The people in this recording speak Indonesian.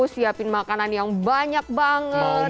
siapin makanan yang banyak banget gitu kan